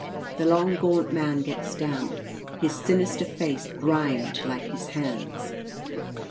The long gaunt man gets down, his sinister face grimed like his hands.